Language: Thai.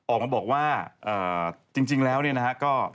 ออกมาบอกว่าจริงแล้วเนี่ยนะฮะก็